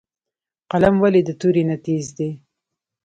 قلم ولې د تورې نه تېز دی؟